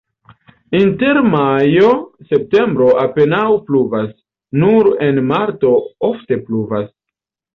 Inter majo-septembro apenaŭ pluvas, nur en marto ofte pluvas.